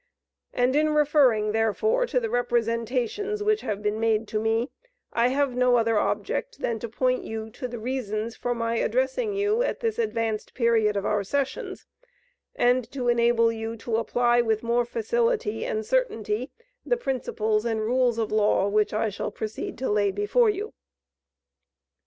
And in referring, therefore, to the representations which have been made to me, I have no other object than to point you to the reasons for my addressing you at this advanced period of our sessions, and to enable you to apply with more facility and certainty the principles and rules of law, which I shall proceed to lay before you.